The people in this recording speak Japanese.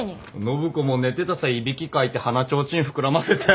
暢子も寝てたさぁいびきかいて鼻ちょうちん膨らませて。